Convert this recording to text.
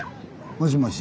もしもし。